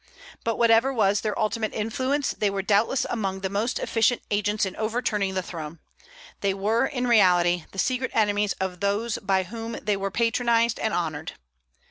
But whatever was their ultimate influence, they were doubtless among the most efficient agents in overturning the throne; they were, in reality, the secret enemies of those by whom they were patronized and honored.